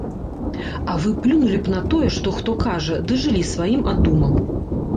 А вы плюнулі б на тое, хто што кажа, ды жылі сваім адумам.